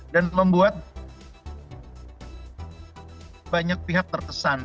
dan membuat banyak pihak tertesan